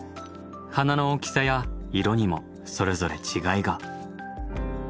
花の大きさや色にもそれぞれ違いが。